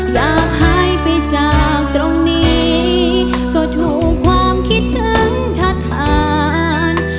อยากหายไปจากตรงนี้ก็ถูกความคิดถึงทัศน